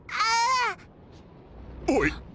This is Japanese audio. おい！